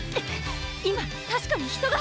今たしかに人が！